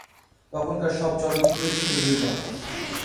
তখনকার সব চলচ্চিত্রই ছিল নির্বাক।